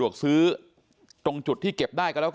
อันนี้แม่งอียางเนี่ย